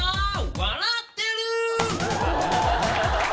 「笑ってる！」